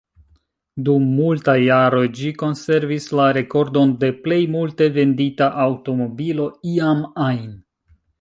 Dum multaj jaroj, ĝi konservis la rekordon de plej multe vendita aŭtomobilo iam ajn.